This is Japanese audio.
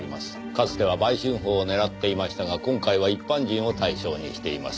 かつては売春婦を狙っていましたが今回は一般人を対象にしています。